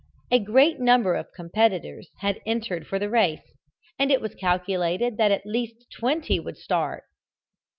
A great number of competitors had entered for the race, and it was calculated that at least twenty would start.